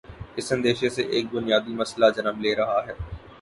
اس اندیشے سے ایک بنیادی مسئلہ جنم لے رہاہے۔